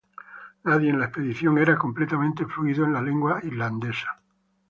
Nadie en la expedición era completamente fluido en la lengua islandesa.